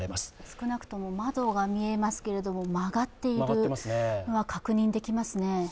少なくとも窓が見えますけれども曲がっているのが確認できますね。